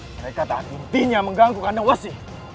mereka tak intinya mengganggu karena wasi